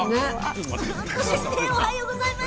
おはようございます。